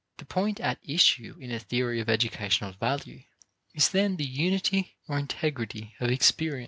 The point at issue in a theory of educational value is then the unity or integrity of experience.